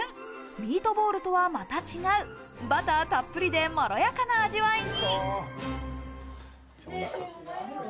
ミートボールとはまた違う、バターたっぷりでまろやかな味わいに。